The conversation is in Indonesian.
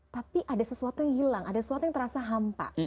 tapi ada sesuatu yang hilang ada sesuatu yang terasa hampa